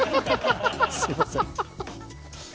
すいません。